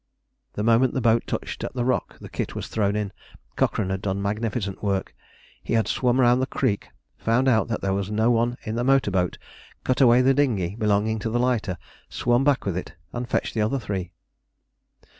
The moment the boat touched at the rock the kit was thrown in. Cochrane had done magnificent work. He had swum round the creek, found out that there was no one in the motor boat, cut away the dinghy belonging to the lighter, swum back with it, and fetched the other three.